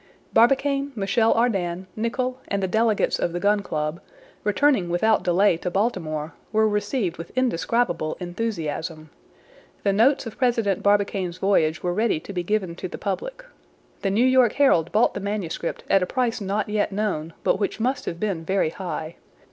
Barbicane, Michel Ardan, Nicholl, and the delegates of the Gun Club, returning without delay to Baltimore, were received with indescribable enthusiasm. The notes of President Barbicane's voyage were ready to be given to the public. The New York Herald bought the manuscript at a price not yet known, but which must have been very high.